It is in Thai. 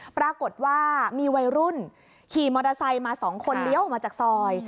ปรากฏว่ามีวัยรุ่นขี่มอเตอร์ไซค์มา๒คนเลี้ยวออกมาจากซอย